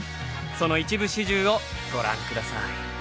その一部始終をご覧ください。